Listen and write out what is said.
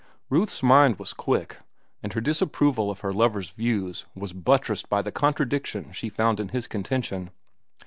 Ruth's mind was quick, and her disapproval of her lover's views was buttressed by the contradiction she found in his contention.